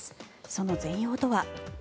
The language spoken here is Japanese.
その全容とは。